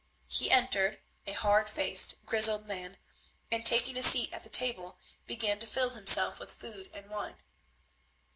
He entered, a hard faced, grizzled man, and, taking a seat at the table, began to fill himself with food and wine.